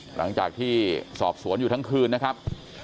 หลังจากที่สอบสวนอยู่ทั้งคืนนะครับ